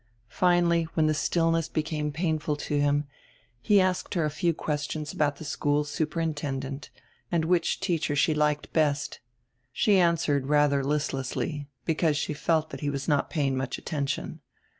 Finally, when the stillness became painful to him, he asked her a few questions about the school superintend ent and which teacher she liked best. She answered rather listlessly, because she felt he was not paying much attention.